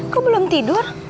kok belum tidur